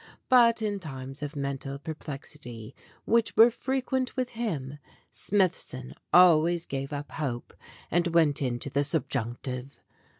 But in times of mental perplexity, which were frequent with him, Smithson always gave up hope and went into the sub junctive.